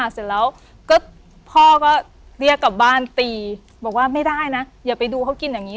เสร็จแล้วก็พ่อก็เรียกกลับบ้านตีบอกว่าไม่ได้นะอย่าไปดูเขากินอย่างนี้